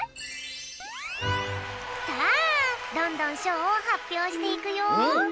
さあどんどんしょうをはっぴょうしていくよ。